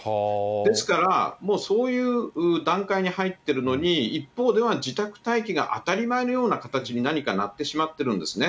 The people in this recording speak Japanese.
ですから、もうそういう段階に入っているのに、一方では自宅待機が当たり前のような形に何かなってしまってるんですね。